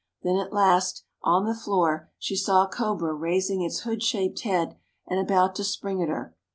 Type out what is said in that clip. Then at last, on the floor, she saw a cobra raising its hood shaped head and about to spring at her.